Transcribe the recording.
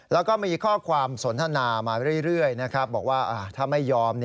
แล้วก็มีข้อความสนทนามาเรื่อยนะครับบอกว่าถ้าไม่ยอม